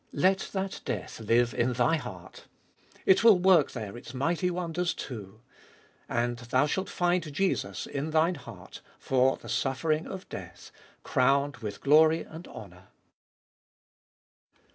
Let that death live in thy heart ; it will work there its mighty wonders too. And thou shalt find Jesus in thine heart, for the suffering of death crowned with glory and honour.